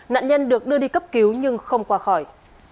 nạn nhân được đưa đi cấp cứu nhưng không qua khỏi